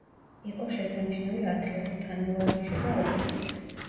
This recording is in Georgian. იყო შესანიშნავი ათლეტი, ტანმოვარჯიშე და ალპინისტი.